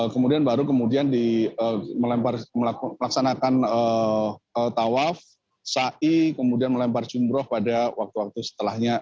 kemudian baru kemudian melaksanakan tawaf sa'i kemudian melempar jumroh pada waktu waktu setelahnya